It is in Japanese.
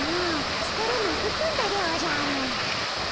つかれもふっとんだでおじゃる。